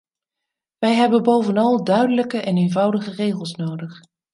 Wij hebben bovenal duidelijke en eenvoudige regels nodig.